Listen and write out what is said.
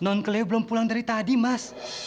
nonkeleo belum pulang dari tadi mas